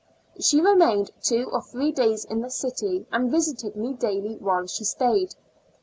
She remained two or three days in the city and "visited me daily while she stayed.